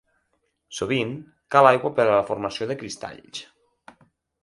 Sovint cal aigua per a la formació dels cristalls.